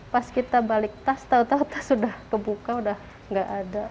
pas kita balik tas tau tau tas sudah kebuka udah gak ada